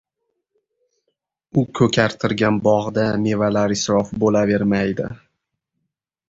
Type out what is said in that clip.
U ko‘kartirgan bog‘da mevalar isrof bo‘lavermaydi.